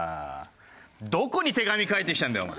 どこに手紙書いてきたんだよお前。